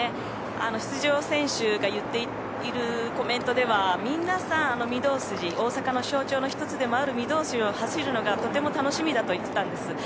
出場選手が言っているコメントでは皆さん、御堂筋、大阪の象徴の１つでもある御堂筋を走るのがとても楽しみだと言ってたんです。